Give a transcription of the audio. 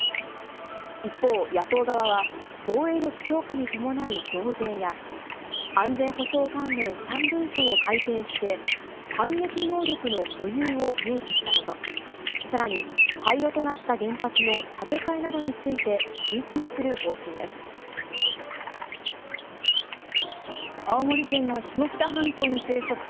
一方、野党側は、防衛力強化に伴う増税や、安全保障関連３文書を改定して、反撃能力の保有を明記したこと、さらに廃炉となった原発の建て替えなどについて追及する方針です。